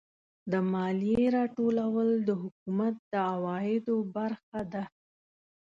د مالیې راټولول د حکومت د عوایدو برخه ده.